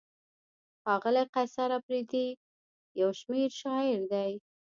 ښاغلی قیصر اپریدی یو شمېر شاعر دی.